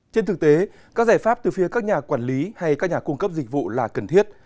trên thực tế các giải pháp từ phía các nhà quản lý hay các nhà cung cấp dịch vụ là cần thiết